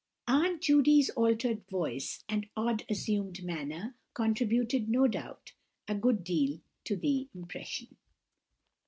Aunt Judy's altered voice, and odd, assumed manner, contributed, no doubt, a good deal to the impression.